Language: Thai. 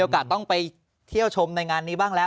ต้องไปเที่ยวชมในงานนี้บ้างแล้ว